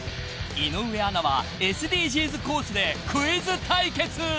井上アナはＳＤＧｓコースでクイズ対決］